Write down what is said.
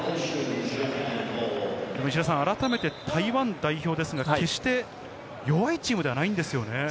改めて台湾代表ですが、決して弱いチームではないんですよね。